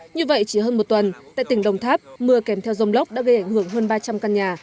như vậy chỉ hơn một tuần tại tỉnh đồng tháp mưa kèm theo dông lốc đã gây ảnh hưởng hơn ba trăm linh căn nhà